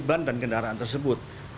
ban dan kendaraan tersebut